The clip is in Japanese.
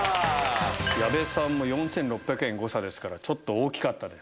矢部さんも４６００円誤差ですからちょっと大きかったです。